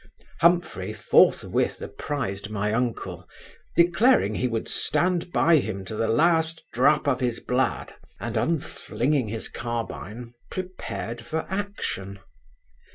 Humphry forthwith apprised my uncle, declaring he would stand by him to the last drop of his blood; and unflinging his carbine, prepared for action.